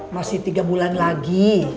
masih tiga bulan lagi